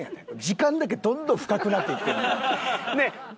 時間だけどんどん深くなっていってる。